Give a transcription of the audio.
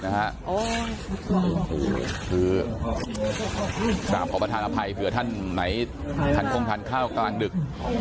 คือกราบขอประธานอภัยเผื่อท่านไหนทันคงทานข้าวกลางดึก